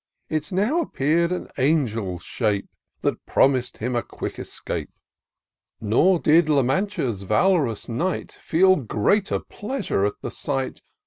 It now appear'd an angel's shape. That promis'd him a quick escape : Nor did La Mancha's val'rous Knight Feel greater pleasure at the sight.